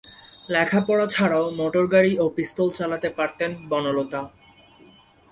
লেখাপড়া ছাড়াও মোটরগাড়ি ও পিস্তল চালাতে পারতেন বনলতা।